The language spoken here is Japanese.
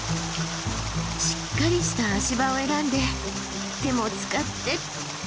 しっかりした足場を選んで手も使ってっと。